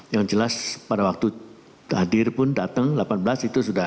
yang jelas pada waktu hadir pun datang delapan belas itu sudah